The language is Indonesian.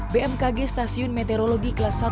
bmkg stasiun meteorologi kelas satu